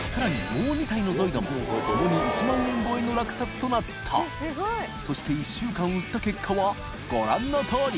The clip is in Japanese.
もう２体のゾイドも箸發１万円超えの落札となった磴修靴１週間売った結果はご覧のとおり！